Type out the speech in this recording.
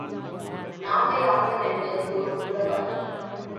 நாட்டை ஆளுதல் என்பது பொறுப்புள்ள பணி.